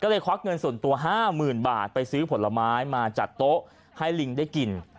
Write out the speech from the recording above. ก็เลยควักเงินส่วนตัว๕๐๐๐บาทไปซื้อผลไม้มาจัดโต๊ะให้ลิงได้กิน